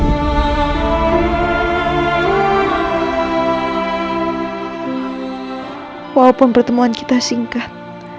walaupun pertemuan kita singkat